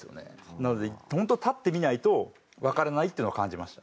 なので本当に立ってみないとわからないっていうのを感じました。